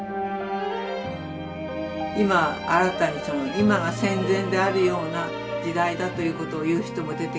今新たに今が戦前であるような時代だということを言う人も出てきて。